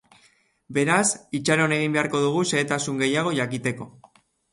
Beraz, itxaron egin beharko dugu xehetasun gehiago jakiteko.